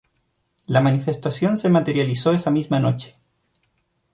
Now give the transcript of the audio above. La manifestación se materializó esa misma noche.